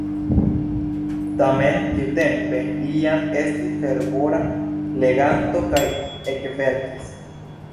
Tamen tiutempe li jam estis fervora leganto kaj ekverkis.